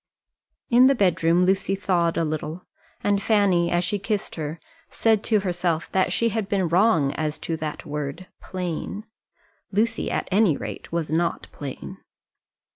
In the bedroom Lucy thawed a little, and Fanny, as she kissed her, said to herself that she had been wrong as to that word "plain." Lucy, at any rate, was not plain.